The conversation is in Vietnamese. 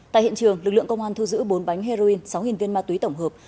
tại hiện trường lực lượng công an thu giữ bốn bánh heroin sáu hình viên ma túy tổng hợp